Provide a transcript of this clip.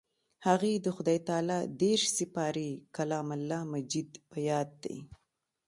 هغې د خدای تعالی دېرش سپارې کلام الله مجيد په ياد دی.